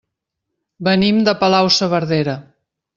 Venim de Palau-saverdera.